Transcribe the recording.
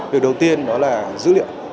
điều đầu tiên đó là dữ liệu